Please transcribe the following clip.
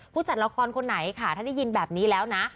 จัดละครคนไหนค่ะถ้าได้ยินแบบนี้แล้วนะ